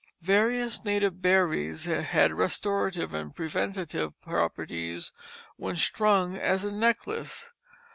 Various native berries had restorative and preventive properties when strung as a necklace.